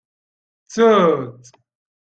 Ttut-tt!